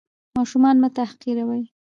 ماشومان مه تحقیروئ.